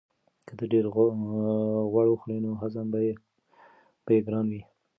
که ته ډېر غوړ وخورې نو هضم به یې ګران وي.